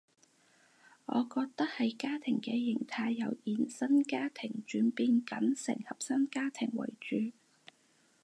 我覺得係家庭嘅型態由延伸家庭轉變緊成核心家庭為主